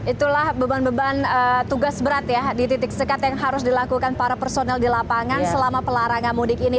itulah beban beban tugas berat ya di titik sekat yang harus dilakukan para personel di lapangan selama pelarangan mudik ini